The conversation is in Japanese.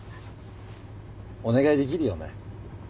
お願いできるよね？